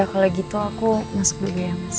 ya udah kalau gitu aku masuk dulu ya mas